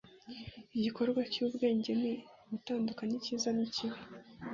igikorwa c'ubwenge ni ugutandukanya icyiza n'ikibi